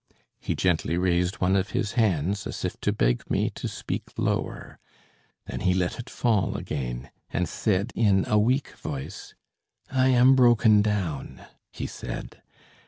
He gently raised one of his hands, as if to beg me to speak lower; then he let it fall again, and said in a weak voice: "I am broken down," he said.